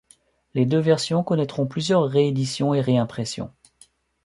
Les deux versions connaîtront plusieurs rééditions et réimpressions.